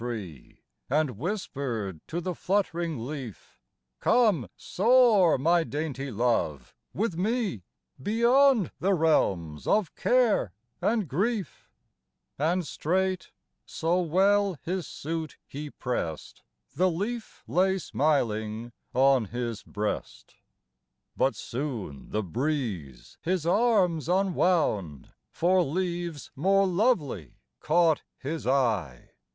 tree, And whispered to the flutt'ring leaf : Come, soar, my dainty love, with me, Beyond the realms of care and grief. And straight — so well his suit he prest — The leaf lay smiling on his breast .^Hj THE DAGON.ET SALLAI>S. But soon die breeze his anus tmwound ; For Iflawcs mOFc loiwdy caught his eye.